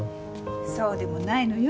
そうでもないのよ。